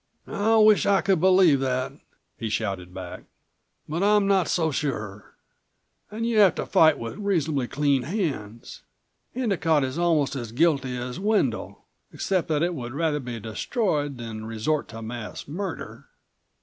"I wish I could believe that!" he shouted back. "But I'm not so sure. And you have to fight with reasonably clean hands. Endicott is almost as guilty as Wendel, except that it would rather be destroyed than resort to mass murder."